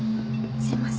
すいません。